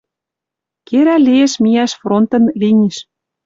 Керӓл лиэш миӓш фронтын линиш